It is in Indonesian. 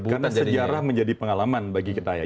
karena sejarah menjadi pengalaman bagi kita ya